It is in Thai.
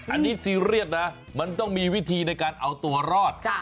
อันนี้ซีเรียสนะมันต้องมีวิธีในการเอาตัวรอด